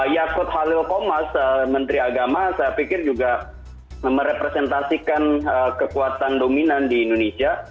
yakut halil komas menteri agama saya pikir juga merepresentasikan kekuatan dominan di indonesia